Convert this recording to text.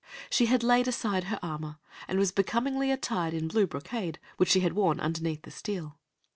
She had laid aside her armor, and was becomingly attired in blue brocade, which she had worn underneath the steel.